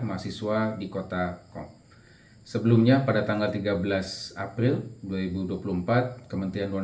mahasiswa di kota kong sebelumnya pada tanggal tiga belas april dua ribu dua puluh empat kementerian luar